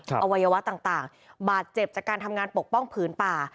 อวัยวะต่างบาดเจ็บจากการทำงานปกป้องผืนป่า